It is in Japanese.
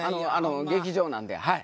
劇場なんではい。